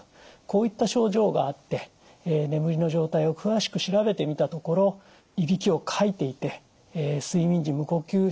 こういった症状があって眠りの状態を詳しく調べてみたところいびきをかいていて睡眠時無呼吸症候群というふうに呼ばれることが多いです